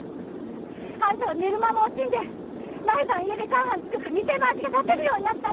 あんたは寝る間も惜しんで毎晩家でチャーハン作って店の味が出せるようになったって。